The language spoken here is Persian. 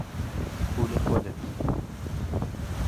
پول خودت